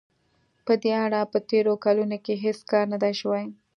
په دې اړه په تېرو کلونو کې هېڅ کار نه دی شوی.